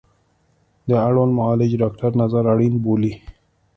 د اړوند معالج ډاکتر نظر اړین بولي